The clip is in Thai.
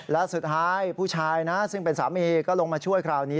และสุดท้ายผู้ชายนะซึ่งเป็นสามีก็ลงมาช่วยคราวนี้